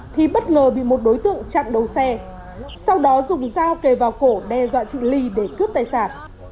thì bất ngờ bị một đối tượng chặn đầu xe sau đó dùng dao kề vào cổ đe dọa chị ly để cướp tài sản